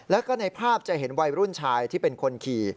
แล้วก็ในภาพจะเห็นวัยรุ่นชายที่เป็นคนขี่